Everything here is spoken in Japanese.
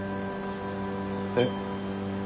えっ？